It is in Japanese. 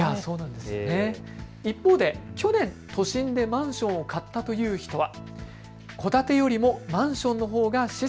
一方で去年、都心でマンションを買ったという人は。